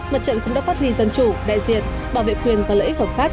mặt trận cũng đã phát huy dân chủ đại diện bảo vệ quyền và lợi ích hợp pháp